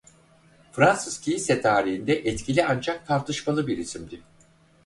Fransız kilise tarihinde etkili ancak tartışmalı bir isimdi.